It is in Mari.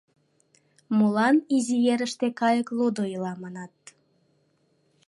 Молан «Изи ерыште кайык лудо ила» манат?